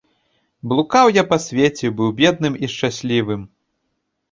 Блукаў я па свеце, быў бедным і шчаслівым.